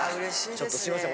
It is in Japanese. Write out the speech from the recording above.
ちょっとすいません